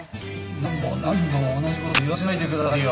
何度も何度も同じこと言わせないでくださいよ。